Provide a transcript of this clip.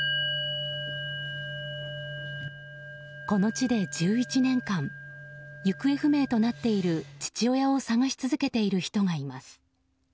この地で１１年間行方不明となっている父親を捜し続けている人がいます。